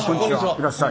いらっしゃい。